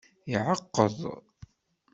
Iɛeqqeḍ.